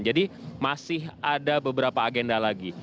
jadi masih ada beberapa agenda lagi